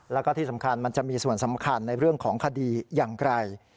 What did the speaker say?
แล้วก็ที่สำคัญมันจะมีส่วนสำคัญในเรื่องของคดีอย่างไกล